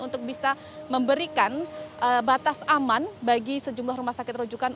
untuk bisa memberikan batas aman bagi sejumlah rumah sakit rujukan